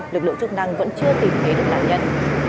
lực lượng chức năng vẫn chưa tìm thấy được nạn nhân